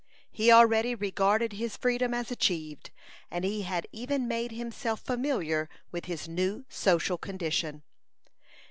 He already regarded his freedom as achieved, and he had even made himself familiar with his new social condition.